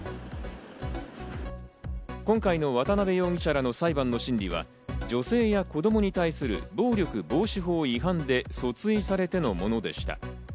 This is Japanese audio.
今回の渡辺容疑者らの裁判の審理は女性や子供に対する暴力防止法違反で訴追されてのものでした。